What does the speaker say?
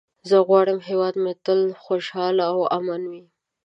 زه غواړم هېواد مې تل خوشحال او امن وي.